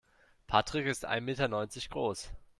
Patrick ist ein Meter neunzig groß.